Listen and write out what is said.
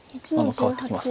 変わってきます。